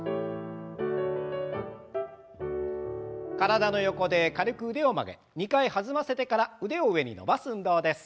体の横で軽く腕を曲げ２回弾ませてから腕を上に伸ばす運動です。